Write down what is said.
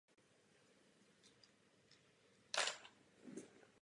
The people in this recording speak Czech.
Tím pádem se volné trhy stávají odrazem přirozeného systému svobody.